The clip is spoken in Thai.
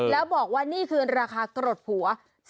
แล้วบอกว่านี่คือราคากรดผัว